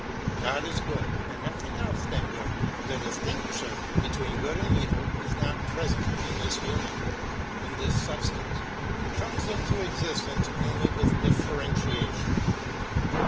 God is good, and nothing else than good; the distinction between good and evil is not present in this unity, in this substance, and comes into existence only with differentiation.